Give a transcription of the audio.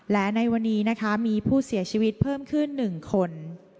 และในวันนี้นะคะมีผู้เสียชีวิตเพิ่มขึ้น๑คน